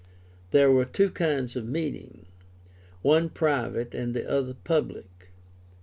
There were two kinds of meeting, one private and the other public.